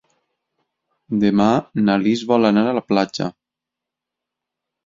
Demà na Lis vol anar a la platja.